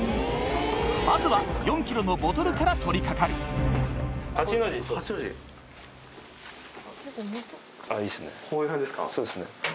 まずは４ｋｇのボトルから取り掛かるいいっすね。